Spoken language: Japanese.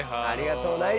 ありがとう。